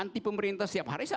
anti pemerintah setiap hari